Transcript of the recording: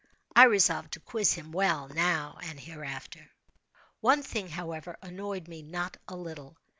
I resolved to quiz him well, now and hereafter. One thing, however, annoyed me not a little.